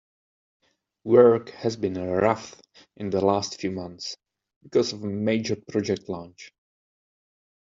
Work has been rough in the last few months because of a major project launch.